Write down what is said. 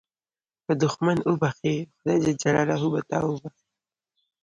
که دوښمن وبخښې، خدای جل جلاله به تا وبخښي.